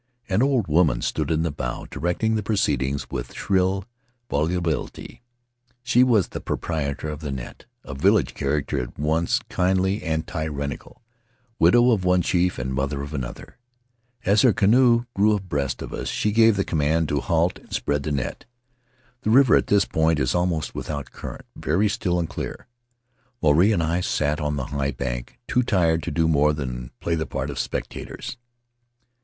An old woman stood in the bow, directing the proceedings with shrill volubility; she Faerv Lands of the South Seas was the proprietor of the net, a village character at once kindly and tyrannical — widow of one chief and mother of another. As her canoe drew abreast of us she gave the command to halt and spread the net. The river at this point is almost without current, very still and clear; Maruae and I sat on the high bank, too tired to do more than play the part of spectators.